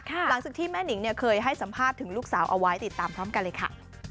หลังจากที่แม่นิงเคยให้สัมภาษณ์ถึงลูกสาวเอาไว้ติดตามพร้อมกันเลยค่ะ